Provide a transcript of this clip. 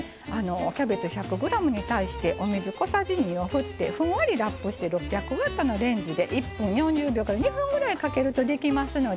キャベツ１００ｇに対してお水小さじ２をふってふんわりラップして６００Ｗのレンジで１分４０秒から２分ぐらいかけるとできますのでね